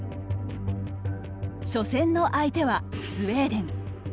初戦の相手はスウェーデン。